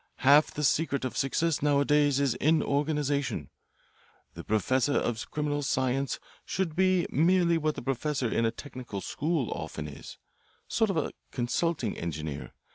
Half the secret of success nowadays is organisation. The professor of criminal science should be merely what the professor in a technical school often is a sort of consulting engineer.